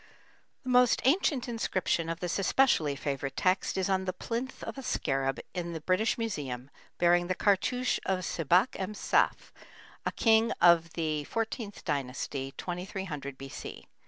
The most ancient inscription of this especially favorite text is on the plinth of a scarab in the British Museum bearing the cartouche of Sebak em saf, a king of the XIV Dynasty, 2300 B.C.